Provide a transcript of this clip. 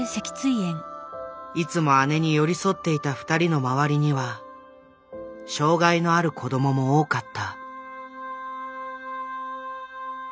いつも姉に寄り添っていた二人の周りには障害のある子どもも多かった。